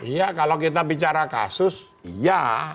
iya kalau kita bicara kasus iya